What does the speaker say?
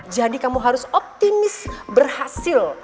jadi kamu harus optimis berhasil